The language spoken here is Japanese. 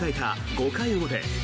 ５回表。